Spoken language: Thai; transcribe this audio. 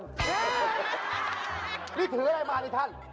นี่ถืออะไรมานี่ท่าน